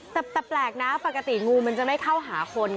แต่แปลกนะปกติงูมันจะไม่เข้าหาคน